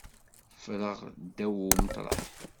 Ffreɣ ddaw umeṭreḥ.